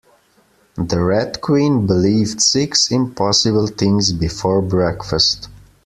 The Red Queen believed six impossible things before breakfast